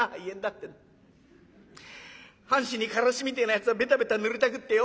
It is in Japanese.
半紙にからしみてえなやつをベタベタ塗りたくってよ